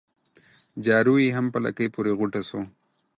جارو يې هم په لکۍ پوري غوټه سو